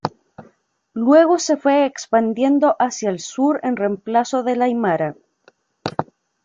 Luego se fue expandiendo hacia el sur en reemplazo del aimara.